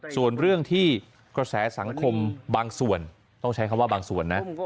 ส่วนเรื่องที่กระแสสังคมบางส่วนต้องใช้คำว่าบางส่วนนะ